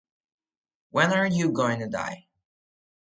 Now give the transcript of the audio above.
When are you going to die?